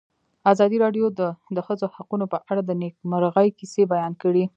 ازادي راډیو د د ښځو حقونه په اړه د نېکمرغۍ کیسې بیان کړې.